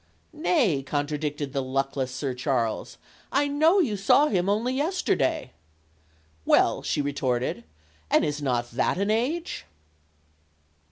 "Nay," contradicted the luckless Sir Charles, "I know you saw him only yesterday." "Well," she retorted, "and is not that an age?"